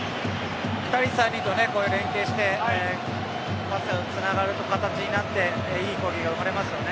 ２人、３人とこういう連係をしてパスがつながる形になっていい攻撃が生まれましたね。